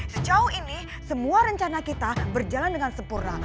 sejauh ini semua rencana kita berjalan dengan sempurna